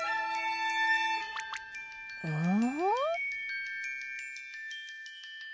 うん？